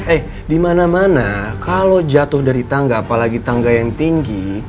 eh di mana mana kalau jatuh dari tangga apalagi tangga yang tinggi